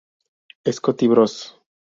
Scotti Bros.